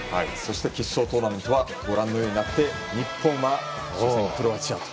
決勝トーナメントはご覧のようになって日本は初戦、クロアチアと。